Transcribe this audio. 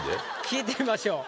聞いてみましょう。